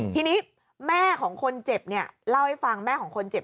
ทีนี้แม่ของคนเจ็บเนี่ยเล่าให้ฟังแม่ของคนเจ็บ